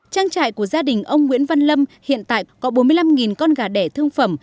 trang trại của gia đình ông nguyễn văn lâm hiện tại có bốn mươi năm con gà đẻ thương phẩm